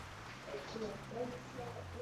Xizmatkor boyning qamchisidan qorqdi.